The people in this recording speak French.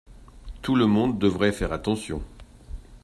Tout le monde devrait faire attention.